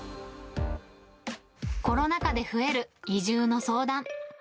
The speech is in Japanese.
コロナ禍で増える移住の相談。